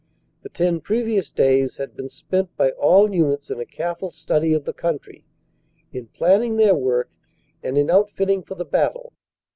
The 10 previous days had been spent by all units in a careful study of the coun try, in planning their work and in outfitting for the battle.